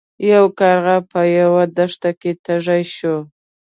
یو کارغه په یوه دښته کې تږی شو.